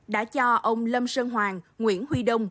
đã cho ông lâm sơn hoàng nguyễn huy đông